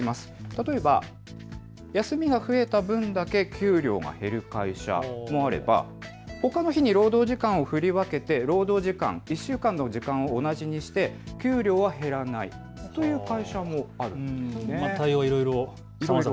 例えば、休みが増えた分だけ給料が減る会社もあれば、ほかの日に労働時間を振り分けて労働時間１週間の時間を同じにして給料は減らないという会社もあるんです。